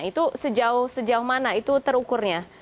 itu sejauh mana itu terukurnya